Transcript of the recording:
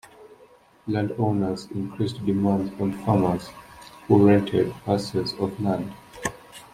Landowners increased demands on farmers, who rented parcels of land.